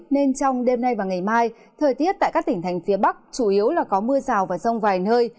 nên trong đêm nay và ngày mai thời tiết tại các tỉnh thành phía bắc chủ yếu là có mưa rào và rông vài nơi